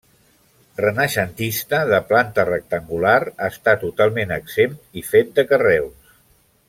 Renaixentista, de planta rectangular, està totalment exempt i fet de carreus.